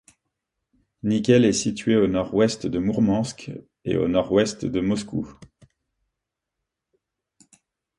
Nikel est située à au nord-ouest de Mourmansk et à au nord-ouest de Moscou.